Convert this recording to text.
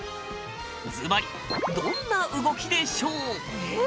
ずばりどんな動きでしょう？